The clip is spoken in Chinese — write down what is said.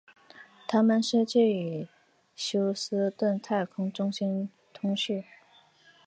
他们失去与休斯顿太空中心的通讯。